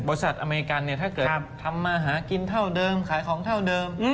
บริษัทอเมริกาถ้าเกิดทำมาหากินเท่าเดิมขายของเท่าเดิม